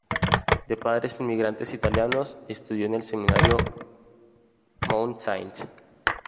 De padres inmigrantes italianos, estudió en el seminario Mt. St.